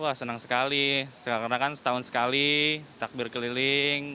wah senang sekali karena kan setahun sekali takbir keliling